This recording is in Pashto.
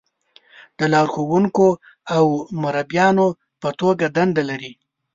د لارښونکو او مربیانو په توګه دنده لري.